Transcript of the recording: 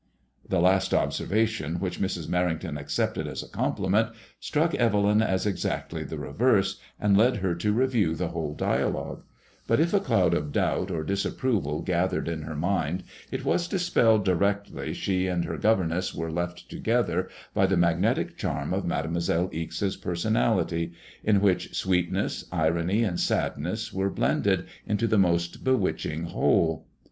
The last observation, which Mrs. Merrington accepted as a compliment, struck Evelyn as exactly the reverse, and led her to review the whole dialogue ; but if a cloud of doubt or dis approval gathered in her mind, it was dispelled directly she and her governess were left together by the magnetic charm of Made moiselle Ixe's personality, in which sweetness, irony, and sad ness were blended into the most bewitching whole.